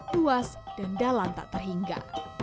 luas dan dalang tak terhingga